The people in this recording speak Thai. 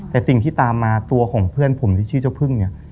แต่สิ่งที่ตามมาตัวของเพื่อนผมที่ชื่อเจ้าพึ่งเนี่ย